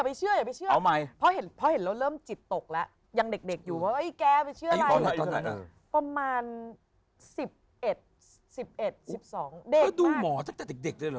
ดูหมอตั้งแต่เด็กเลยหรอ